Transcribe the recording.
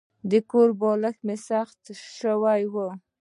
د کور بالښت مې سخت شوی و.